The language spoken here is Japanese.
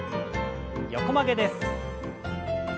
横曲げです。